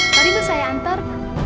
tadi bu saya antar